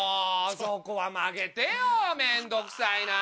そこは曲げてよ面倒くさいなぁ！